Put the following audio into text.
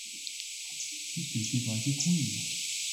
She took it like a queen.